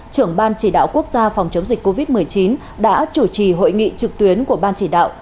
trưởng ban chỉ đạo quốc gia phòng chống dịch covid một mươi chín đã chủ trì hội nghị trực tuyến của ban chỉ đạo